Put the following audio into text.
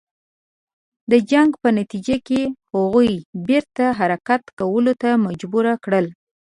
د جنګ په نتیجه کې هغوی بیرته حرکت کولو ته مجبور کړل.